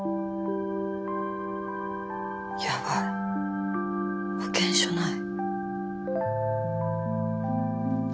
やばい保険証ない。